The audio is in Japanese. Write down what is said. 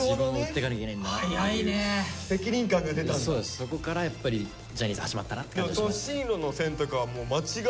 そこからやっぱりジャニーズ始まったなって感じしました。